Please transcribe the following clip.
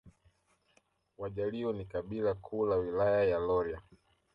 Wajaluo ni kabila kuu la Wilaya ya Rorya